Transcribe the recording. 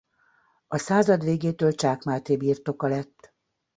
A század végétől Csák Máté birtoka lett.